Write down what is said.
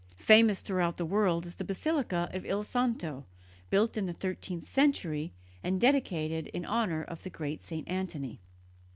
Famous throughout the world is the basilica of Il Santo, built in the thirteenth century, and dedicated in honour of the great St. Antony.